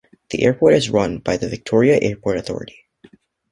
The airport is run by the Victoria Airport Authority.